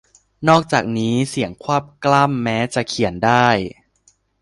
นอกจากนี้ เสียงควบกล้ำแม้จะเขียนได้